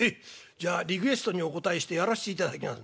じゃあリクエストにお応えしてやらしていただきます。